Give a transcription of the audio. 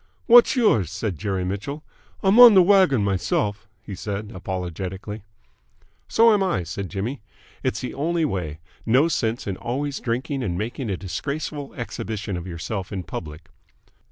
"What's yours?" said Jerry Mitchell. "I'm on the wagon myself," he said apologetically. "So am I," said Jimmy. "It's the only way. No sense in always drinking and making a disgraceful exhibition of yourself in public!"